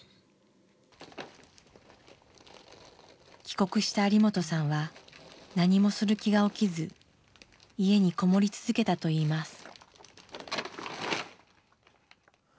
帰国した有元さんは何もする気が起きず家に籠もり続けたといいます。